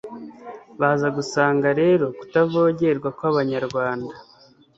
baza gusanga rero kutavogerwa kw'abanyarwanda